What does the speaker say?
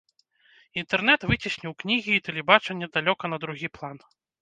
Інтэрнэт выцесніў кнігі і тэлебачанне далёка на другі план.